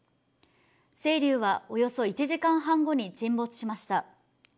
「せいりゅう」はおよそ１時間半後に沈没しました。